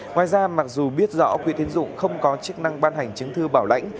ngoài ra mặc dù biết rõ quỹ tiến dụng không có chức năng ban hành chứng thư bảo lãnh